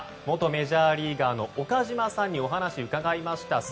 元メジャーリーガーの岡島さんにお話を伺いました。